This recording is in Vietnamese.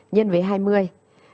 nhân với hai mươi